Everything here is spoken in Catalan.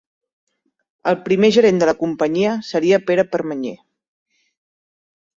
El primer gerent de la companyia seria Pere Permanyer.